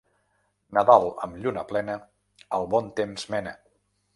Nadal amb lluna plena el bon temps mena.